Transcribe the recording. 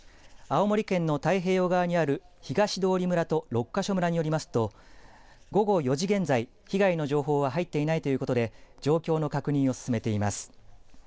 青森県の太平洋側にある東通村と六ヶ所村によりますと午後４時現在、被害の情報は入っていないということで状況の確認を進めています。